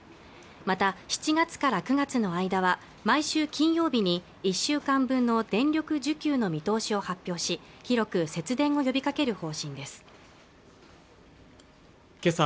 また７月から９月の間は毎週金曜日に１週間分の電力需給の見通しを発表し広く節電を呼びかける方針ですけさ